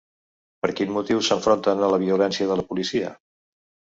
Per quin motiu s’enfronten a la violència de la policia?